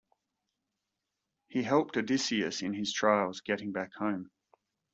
He helped Odysseus in his trials getting back home.